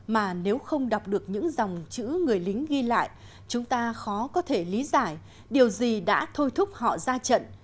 mà nếu không đọc được những dòng chữ người lính ghi lại chúng ta khó có thể lý giải điều gì đã thôi thúc họ ra trận